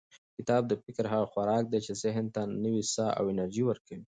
کتاب د فکر هغه خوراک دی چې ذهن ته نوې ساه او انرژي ورکوي.